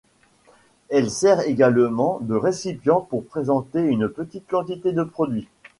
Elle sert également de récipient pour présenter une petite quantité de produit.